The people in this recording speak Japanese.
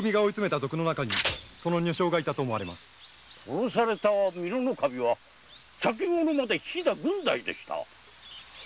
殺された美濃守は先ごろまで飛郡代でした。